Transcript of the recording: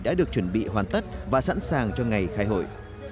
đã được chuẩn bị hoàn tất và sẵn sàng cho ngày khai hội